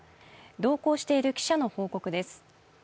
同行している記者の報告です。